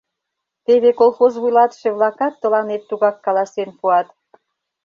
Теве колхоз вуйлатыше-влакат тыланет тугак каласен пуат.